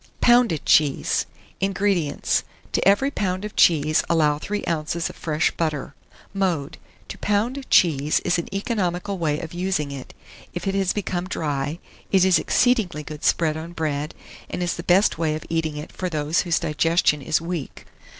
POUNDED CHEESE. 1648. INGREDIENTS. To every lb. of cheese allow 3 oz. of fresh butter. Mode. To pound cheese is an economical way of using it, if it has become dry; it is exceedingly good spread on bread, and is the best way of eating it for those whose digestion is weak.